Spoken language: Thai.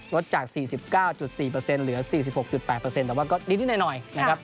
ลดจาก๔๙๔เหลือ๔๖๘แต่ว่าก็นิดหน่อยนะครับ